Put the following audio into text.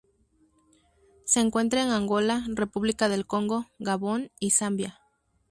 Se encuentra en Angola, República del Congo, Gabón y Zambia.